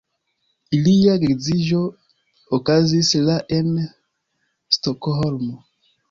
Ilia geedziĝo okazis la en Stokholmo.